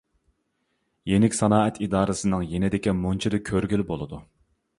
يېنىك سانائەت ئىدارىسىنىڭ يېنىدىكى مۇنچىدا كۆرگىلى بولىدۇ.